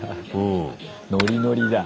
ノリノリだ。